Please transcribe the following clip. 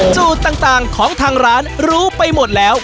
สูตรต่างของทางร้านรู้ไปหมดแล้ว